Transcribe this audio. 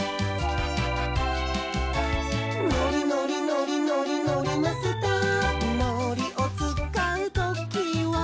「のりのりのりのりのりマスター」「のりをつかうときは」